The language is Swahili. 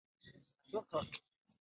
Kwani ulikuwa unafanya nini usiku